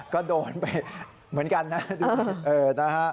ก็โดนไปเหมือนกันนะ